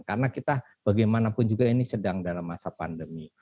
karena kita bagaimanapun juga ini sedang dalam masa pandemi